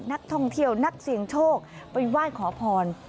นักท่องเที่ยวนักเสี่ยงโชคไปไหว้ขอพร